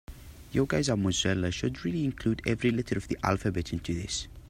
You guys at Mozilla should really include every letter of the alphabet into this.